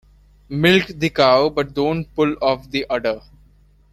Milk the cow but don't pull off the udder.